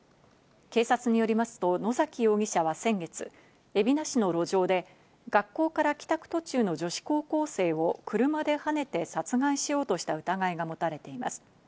警察によりますと野嵜容疑者は先月、海老名市の路上で学校から帰宅途中の女子高校生を車ではねて殺害しようとした疑いが持たれています。